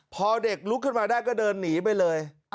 พอเด็กลุกขึ้นมาได้ก็เดินหนีไปเลย